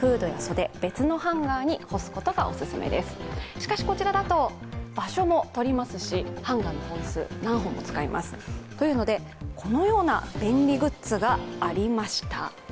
しかし、こちらだと場所もとりますし、ハンガーの本数、何本も使いますということでこのような便利グッズがありました。